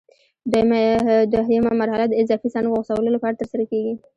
دوه یمه مرحله د اضافي څانګو غوڅولو لپاره ترسره کېږي.